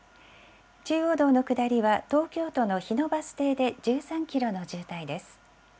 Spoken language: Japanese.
中央道の下りは東京都の日野バス停で１３キロの渋滞です。